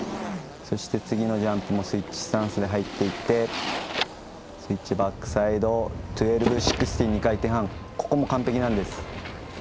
そして次のジャンプもスイッチスタンスで入っていってスイッチバックサイド１２６０２回転半、ここも完璧なんです。